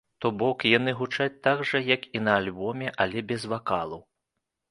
То бок, яны гучаць так жа, як і на альбоме, але без вакалу.